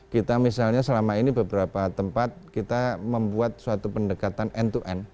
kita misalnya selama ini beberapa tempat kita membuat suatu pendekatan end to end